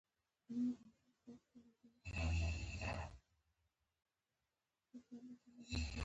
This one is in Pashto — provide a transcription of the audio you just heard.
زه مې لاس په لاسوچوني وچوم